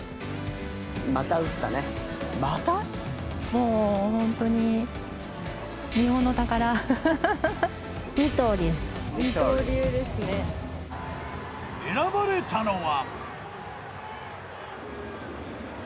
もう本当に選ばれたのは。